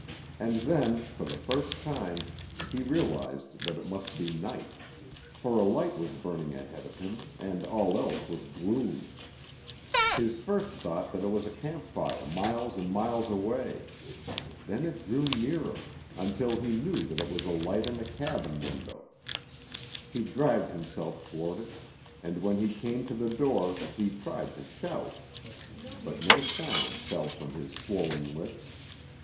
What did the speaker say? And then, for the first time, he realized that it must be night. For a light was burning ahead of him, and all else was gloom. His first thought was that it was a campfire miles and miles away. Then it drew nearer, until he knew that it was a light in a cabin window. He dragged himself toward it, and when he came to the door he tried to shout. But no sound fell from his swollen lips.